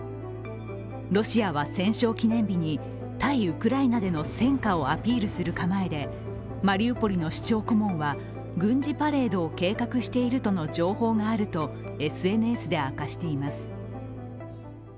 ロシアは戦勝記念日に対ウクライナでの戦果をアピールする構えでマリウポリの市長顧問は軍事パレードを計画しているとの情報があるとＳＮＳで明かしています。